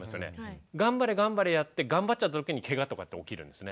頑張れ頑張れやって頑張っちゃった時にケガとかって起きるんですね。